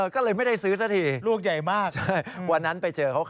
ก็เลยไม่ได้ซื้อซะทีวันนั้นไปเจอ